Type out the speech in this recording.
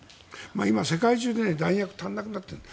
今、世界中で弾薬が足りなくなっている。